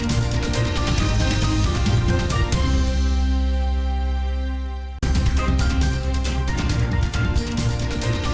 terhubungan ke aturan yang sudah